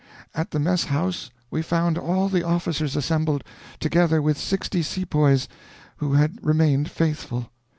At the mess house we found all the officers assembled, together with sixty sepoys, who had remained faithful.